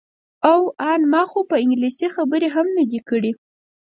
او ان ما خو په انګلیسي خبرې هم نه دي کړې.